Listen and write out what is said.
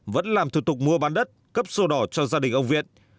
vẫn làm thủ tục mua bán đất cấp sô đỏ cho gia đình ông việt